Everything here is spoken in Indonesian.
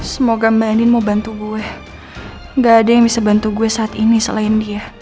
semoga mbak eni mau bantu gue gak ada yang bisa bantu gue saat ini selain dia